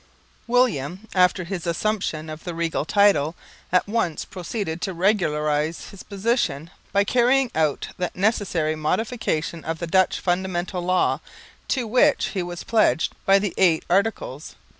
William, after his assumption of the regal title, at once proceeded to regularise his position by carrying out that necessary modification of the Dutch Fundamental Law to which he was pledged by the Eight Articles.